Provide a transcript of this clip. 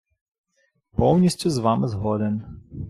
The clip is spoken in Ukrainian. Повністю з вами згоден.